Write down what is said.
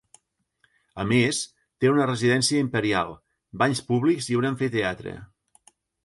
A més, té una residència imperial, banys públics i un amfiteatre.